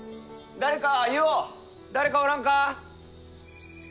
誰かおらんか！